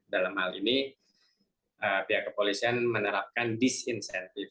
dalam hal ini pihak kepolisian menerapkan disinsentif